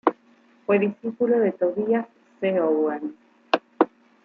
Fue discípulo de Tobías C. Owen.